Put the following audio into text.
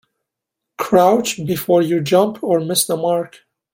Crouch before you jump or miss the mark.